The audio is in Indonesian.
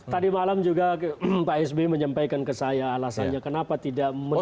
tadi malam juga pak sby menyampaikan ke saya alasannya kenapa tidak menerima